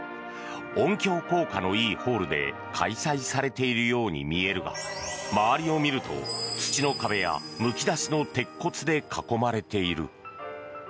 音響効果のいいホールで開催されているように見えるが周りを見ると、土の壁やむき出しの鉄骨で囲まれている。